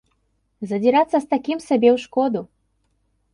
Задзірацца з такім сабе ў шкоду.